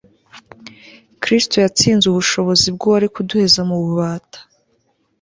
Kristo yatsinze ubushobozi bwuwari kuduheza mu bubata